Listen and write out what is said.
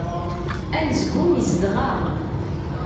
Anezgum izdeɣ-aɣ.